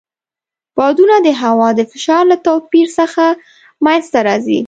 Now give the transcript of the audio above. بادونه د هوا د فشار له توپیر څخه منځته راځي.